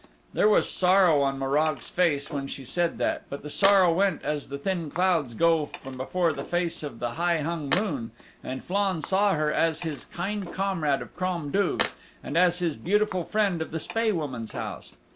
There was sorrow on Morag's face when she said that, but the sorrow went as the thin clouds go from before the face of the high hung moon, and Flann saw her as his kind comrade of Crom Duv's and as his beautiful friend of the Spae Woman's house.